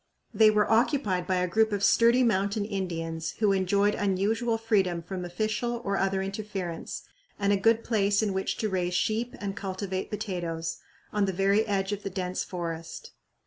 They were occupied by a group of sturdy mountain Indians, who enjoyed unusual freedom from official or other interference and a good place in which to raise sheep and cultivate potatoes, on the very edge of the dense forest.